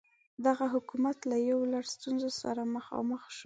دغه حکومت له یو لړ ستونزو سره مخامخ شو.